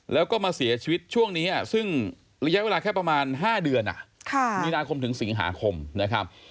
แล้วก็มาเสียชีวิตช่วงนี้ซึ่งระยะเวลาแค่ประมาณ๕เดือนมีนาคมถึงสิงหาคมนะครับ